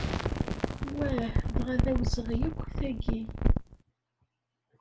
Wah, dɣa d awezɣi akk, tagi!